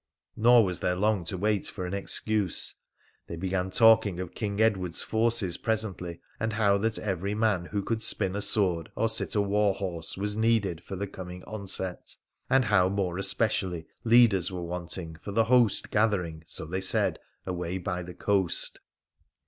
Nor was there long to wait for an excuse. They began talking of King Edward's forces presently, and how that every man who could spin a sword or sit a war horse was needed for the coming onset, and how more especially leaders were wanting for the host gathering, so they said, away by the coast.